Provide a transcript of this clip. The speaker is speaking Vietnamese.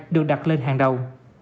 được đặt lên hàng đầu